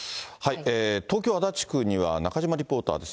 東京・足立区には中島リポーターです。